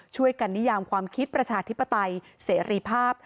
นิยามความคิดประชาธิปไตยเสรีภาพ